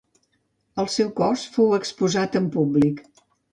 El seu cos fou exposat en públic.